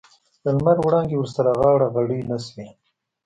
د لمر وړانګې ورسره غاړه غړۍ نه شوې.